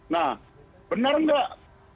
nah benar nggak